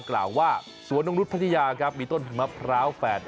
กล่าวว่าสวนองฤทธิยาครับมีต้นมะพร้าวแฝด